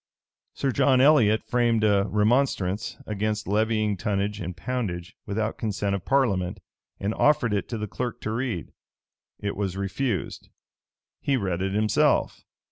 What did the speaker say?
Sir John Elliot framed a remonstrance against levying tonnage and poundage without consent of parliament, and offered it to the clerk to read. It was refused. He read it himself.